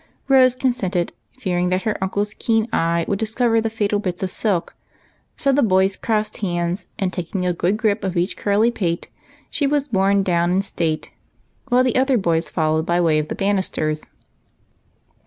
Rose consented, fear ing that her uncle's keen eye would discover the fatal bits of silk ; so the boys crossed hands, and, taking a good grip of each curly pate, she was borne down in state, while the others followed by way of the banis ters.